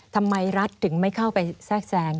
ทำไมรัฐถึงไม่เข้าไปแทรกแทรง